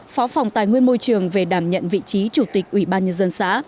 phó phòng tài nguyên môi trường về đảm nhận vị trí chủ tịch ủy ban nhân dân xã